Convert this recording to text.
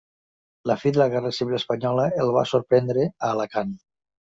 La fi de la guerra civil espanyola el va sorprendre a Alacant.